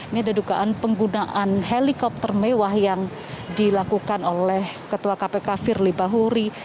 ini ada dugaan penggunaan helikopter mewah yang dilakukan oleh ketua kpk firly bahuri